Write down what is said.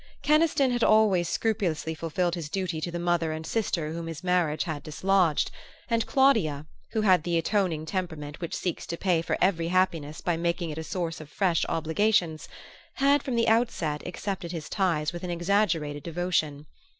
Keniston had always scrupulously fulfilled his duty to the mother and sister whom his marriage had dislodged; and Claudia, who had the atoning temperament which seeks to pay for every happiness by making it a source of fresh obligations, had from the outset accepted his ties with an exaggerated devotion.